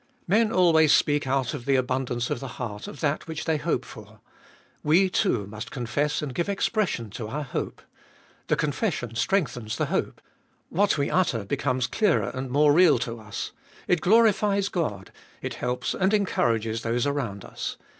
Men always speak out of the abundance of the heart of that which they hope for. We, too, must confess and give expression to our hope. The confession strengthens the hope; what we utter becomes clearer and more real to us. It glorifies God. It helps and encourages those around us.